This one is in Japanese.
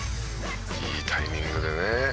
「いいタイミングでね」